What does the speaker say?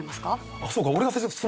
あっそうか。